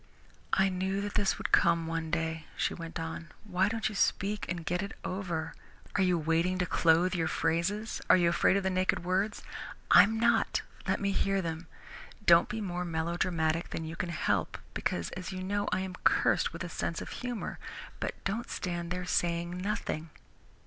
"I knew that this would come one day," she went on. "Why don't you speak and get it over? Are you waiting to clothe your phrases? Are you afraid of the naked words? I'm not. Let me hear them. Don't be more melodramatic than you can help because, as you know, I am cursed with a sense of humour, but don't stand there saying nothing."